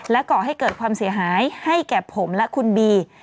ก่อให้เกิดความเสียหายให้แก่ผมและคุณบี